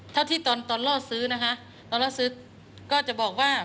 เท่าที่ตอนตอนล่อซื้อนะคะตอนล่อซื้อก็จะบอกว่า